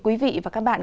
quý vị và các bạn